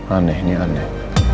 aneh ini aneh